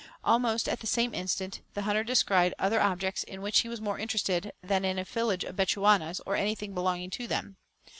Almost at the same instant, the hunter descried other objects in which he was more interested than in a village of Bechuanas, or anything belonging to them.